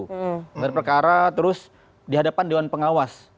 gelar perkara terus dihadapan dewan pengawas